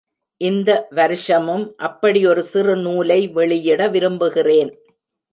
இந்த வருஷமும் அப்படி ஒரு சிறு நூலை வெளியிட விரும்புகிறேன்.